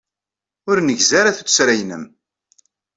Ur negzi ara tuttra-nnem.